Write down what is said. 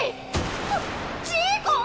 あっジーコ！？